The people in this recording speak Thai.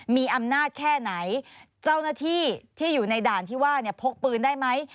มีอำนาจแค่ไหนเจ้าหน้าที่ที่อยู่ในด่านที่ว่าเนี่ยพกปืนได้ไหม